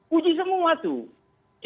puji semua tuh